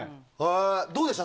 どうでした？